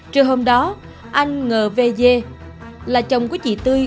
trưa hôm đó anh ngờ vê dê là chồng của chị tươi